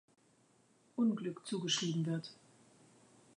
Unglück zugeschrieben wird.